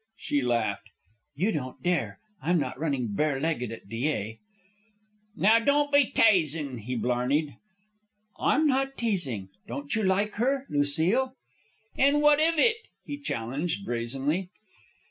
She laughed. "You don't dare. I'm not running barelegged at Dyea." "Now don't be tasin'," he blarneyed. "I'm not teasing. Don't you like her? Lucile?" "An' what iv it?" he challenged, brazenly.